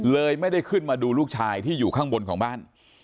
ไม่ได้ขึ้นมาดูลูกชายที่อยู่ข้างบนของบ้าน